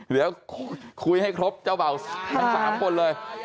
เดี๋ยวคุยให้ครบเจ้าเบาทั้ง๓คนเลย